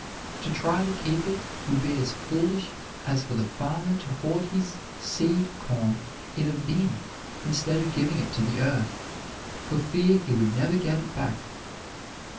To try to keep it would be as foolish as for the farmer to hoard his seed corn in a bin instead of giving it to the earth, for fear he would never get it back.